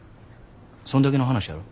そんだけの話やろ。